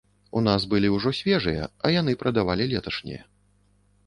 У нас ужо былі свежыя, а яны прадавалі леташнія.